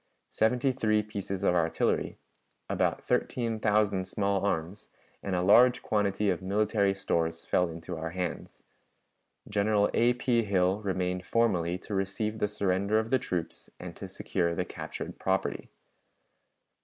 Seventy three pieces of artillery, about thirteen thousand small arms, and a large quantity of military stores fell into our hands. General A. P. Hill remained formally to receive the surrender of the troops and to secure the captured property.